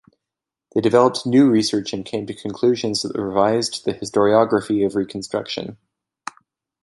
They developed new research and came to conclusions that revised the historiography of Reconstruction.